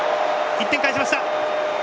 １点返しました。